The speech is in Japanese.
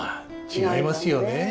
違いますね。